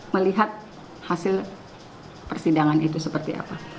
melihat hasil persidangan itu seperti apa